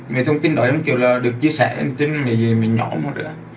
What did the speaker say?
mấy thông tin đó em kiểu là được chia sẻ em tin là ngày gì mình nhỏ một nữa